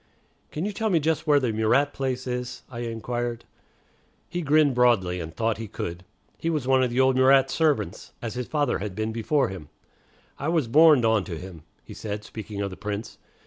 "Can you tell me just where the Murat place is?" I inquired. He grinned broadly, and thought he could. He was one of the old Murat servants, as his father had been before him. "I was borned on to him," he said, speaking of the Prince.